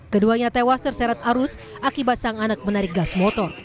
keduanya tewas terseret arus akibat sang anak menarik gas motor